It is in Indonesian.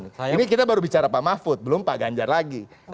ini kita baru bicara pak mahfud belum pak ganjar lagi